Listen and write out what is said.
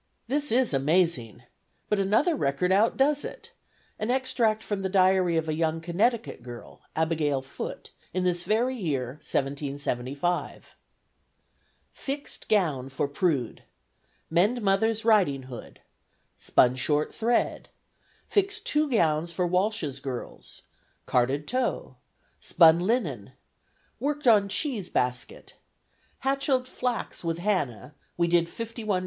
This is amazing; but another record outdoes it: an extract from the diary of a young Connecticut girl, Abigail Foote, in this very year, 1775: "Fix'd gown for Prude, Mend Mother's Riding hood, spun short thread, Fix'd two gowns for Walsh's girls, Carded tow, Spun linen, Worked on Cheese basket, Hatchel'd flax with Hannah, we did 51 lbs.